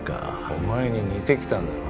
お前に似てきたんだろ。